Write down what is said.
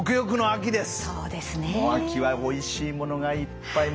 秋はおいしいものがいっぱい。